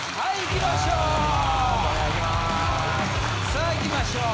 さあいきましょう。